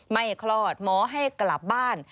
คลอดหมอให้กลับบ้าน